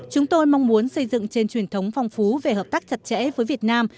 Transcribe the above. chúng tôi mong muốn xây dựng trên truyền thống phong phú về hợp tác chặt chẽ với việt nam